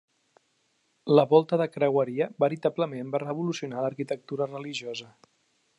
La volta de creueria veritablement va revolucionar l'arquitectura religiosa.